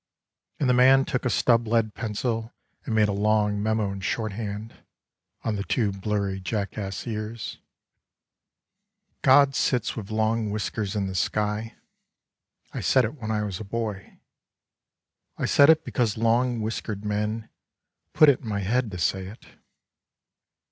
And the man took a stub lead pencil And made a long memo in shorthand On the two blurry jackass ears: —" God sits with long whiskers in the sky." I said it when I was a boy. I said it because long whiskered men Put it in my head to say it.